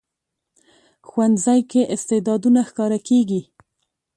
ښوونځی کې استعدادونه ښکاره کېږي